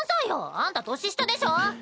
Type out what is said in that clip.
あんた年下でしょ。